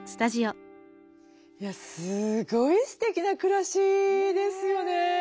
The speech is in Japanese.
いやすごいすてきな暮らしですよね。